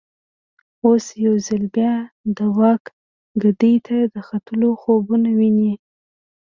اوس یو ځل بیا د واک ګدۍ ته د ختلو خوبونه ویني.